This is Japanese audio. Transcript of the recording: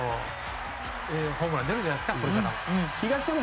ホームランが出るんじゃないですかこれからも。